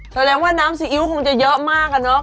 แสดงว่าน้ำซีอิ๊วคงจะเยอะมากอะเนาะ